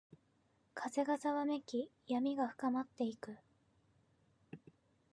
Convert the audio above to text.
風がざわめき、闇が深まっていく。